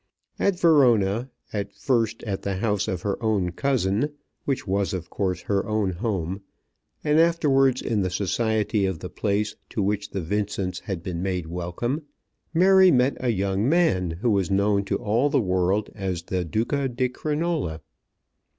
At Verona, at first at the house of her own cousin, which was of course her own home, and afterwards in the society of the place to which the Vincents had been made welcome, Mary met a young man who was known to all the world as the Duca di Crinola.